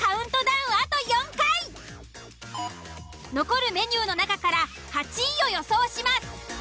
残るメニューの中から８位を予想します。